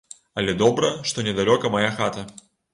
Але добра, што недалёка мая хата.